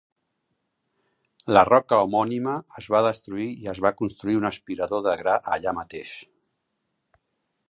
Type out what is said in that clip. La roca homònima es va destruir i es va construir un aspirador de gra allà mateix.